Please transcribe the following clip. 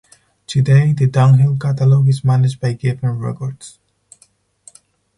Today, the Dunhill catalogue is managed by Geffen Records.